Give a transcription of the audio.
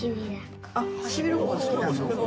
ハシビロコウ好きなの？